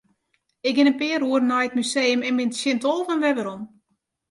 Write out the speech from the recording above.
Ik gean in pear oeren nei it museum en bin tsjin tolven wer werom.